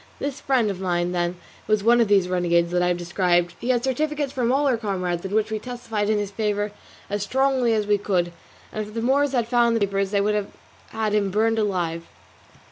This friend of mine, then, was one of these renegades that I have described; he had certificates from all our comrades, in which we testified in his favour as strongly as we could; and if the Moors had found the papers they would have burned him alive.